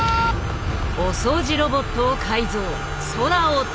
お掃除ロボットを改造空を跳ぶ。